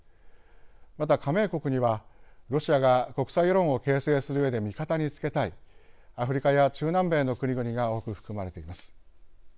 また、加盟国には、ロシアが国際世論を形成するうえで味方につけたいアフリカや中南米の国々が多く含まれています。